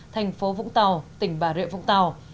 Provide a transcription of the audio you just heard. thành phố vũng tàu tỉnh bà rượu vũng tàu